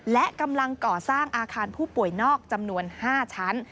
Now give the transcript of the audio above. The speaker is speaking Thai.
และกำลังก่อสร้างอาคารผู้ป่วยนอกจำนวน๕ชั้น